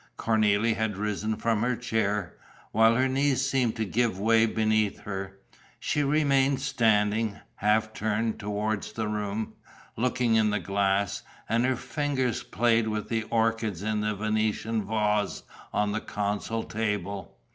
Cornélie had risen from her chair, while her knees seemed to give way beneath her. She remained standing, half turned towards the room, looking in the glass; and her fingers played with the orchids in a Venetian vase on the console table.